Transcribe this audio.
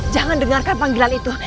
jangan dengarkan panggilan itu